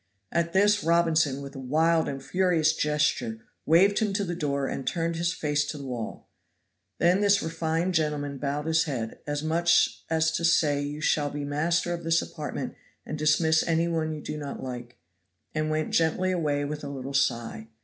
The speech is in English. At this Robinson, with a wild and furious gesture, waved him to the door and turned his face to the wall; then this refined gentleman bowed his head, as much as to say you shall be master of this apartment and dismiss any one you do not like, and went gently away with a little sigh.